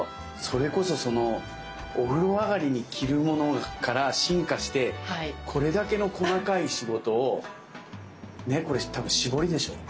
それこそお風呂上がりに着るものから進化してこれだけの細かい仕事をこれ多分絞りでしょう。